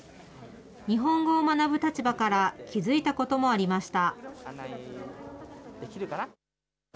日本語を学ぶ立場から、気付いたこともありました。